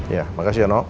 ya makasih ya no